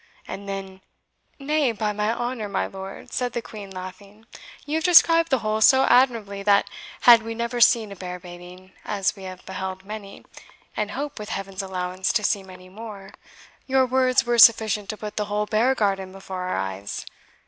And then " "Nay, by my honour, my lord," said the Queen, laughing, "you have described the whole so admirably that, had we never seen a bear baiting, as we have beheld many, and hope, with Heaven's allowance, to see many more, your words were sufficient to put the whole Bear garden before our eyes.